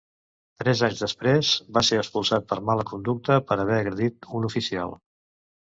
Tres anys després va ser expulsat per mala conducta per haver agredit un oficial.